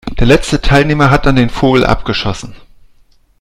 Der letzte Teilnehmer hat dann den Vogel abgeschossen.